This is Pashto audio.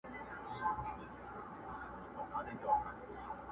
چي باد مي ستا له لاري څخه پلونه تښتوي!.